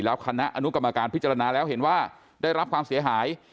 แล้วคณะอนุกรรมการพิจารณาแล้วเห็นว่าได้รับความเสียหาย